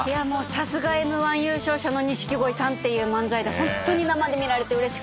さすがＭ−１優勝者の錦鯉さんっていう漫才でホントに生で見られてうれしかったです。